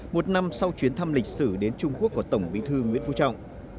một năm sau chuyến thăm lịch sử đến trung quốc của tổng bí thư nguyễn phú trọng